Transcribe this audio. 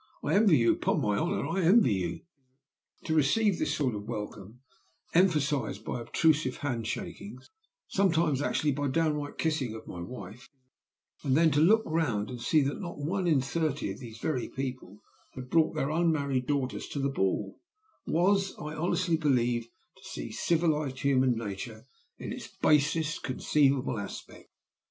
I envy you; upon my honor, I envy you!' to receive this sort of welcome, emphasized by obtrusive hand shakings, sometimes actually by downright kissings of my wife, and then to look round and see that not one in thirty of these very people had brought their unmarried daughters to the ball, was, I honestly believe, to see civilized human nature in its basest conceivable aspect.